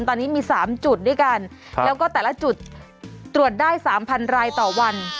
ตอนนี้มี๓จุดด้วยกันแล้วก็แต่ละจุดตรวจได้๓๐๐รายต่อวัน